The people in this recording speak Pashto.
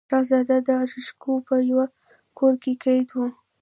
شهزاده داراشکوه په یوه کور کې قید و.